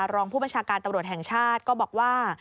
รองผู้บัญชาการตำรวจแห่งชาติก็บอกว่า